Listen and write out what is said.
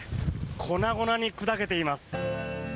粉々に砕けています。